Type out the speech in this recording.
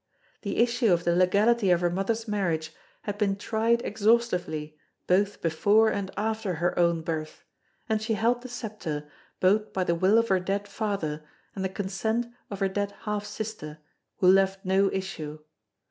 The issue of the legality of her mother's marriage had been tried exhaustively both before and after her own birth, and she held the sceptre both by the will of her dead father and the consent of her dead half sister who left no issue.